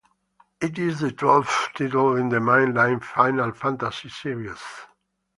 It is the twelfth title in the mainline "Final Fantasy" series.